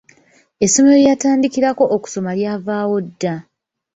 Essomero lye yatandikirako okusoma lyavaawo dda.